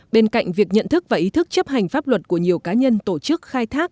bên cạnh việc nhận thức và ý thức chấp hành pháp luật của nhiều cá nhân tổ chức khai thác